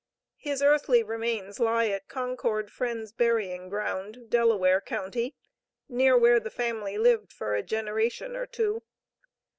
His earthly remains lie at Concord Friends' burying ground, Delaware county, near where the family lived for a generation or two.